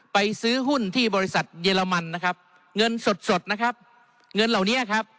ไปซื้อหุ้นที่บริษัทเยอรมันนะครับเงินสดสดนะครับเงินเหล่านี้ครับ